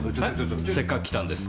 せっかく来たんです。